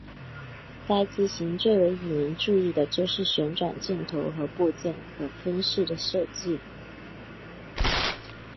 该机型最为引人注意的就是旋转镜头和部件可分式的设计。